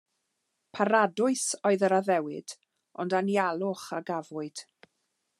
Paradwys oedd yr addewid, ond anialwch a gafwyd.